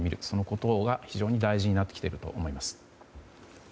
そのことが非常に大事になってきていると思います。